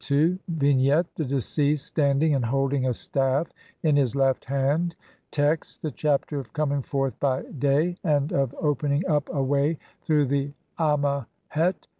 No. 9,900, sheet 3).] Vignette : The deceased standing and holding a staff in his left hand. Text: (1) The Chapter of coming forth by day and of OPENING UP A WAY THROUGH THE AmMEHET.